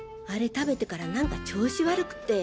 食べてから何か調子悪くて。